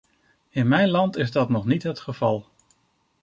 In mijn land is dat nog niet het geval.